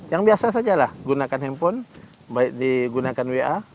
yang biasa sajalah gunakan handphone baik digunakan wa